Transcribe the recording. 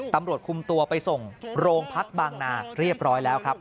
ตำรวจคุมตัวไปส่งโรงพักบางนาเรียบร้อยแล้วครับ